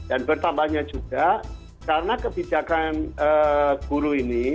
dan bertambahnya juga karena kebijakan guru ini